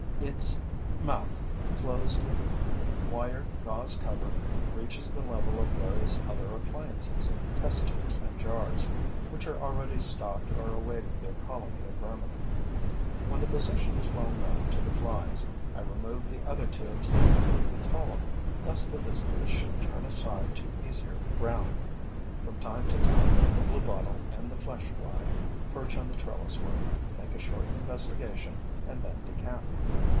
Its mouth, closed with a wire gauze cover, reaches the level of various other appliances, test tubes and jars, which are already stocked or awaiting their colony of vermin. When the position is well known to the flies, I remove the other tubes and leave the column, lest the visitors should turn aside to easier ground. From time to time, the bluebottle and the flesh fly perch on the trellis work, make a short investigation and then decamp.